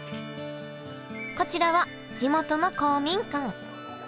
こちらは地元の公民館。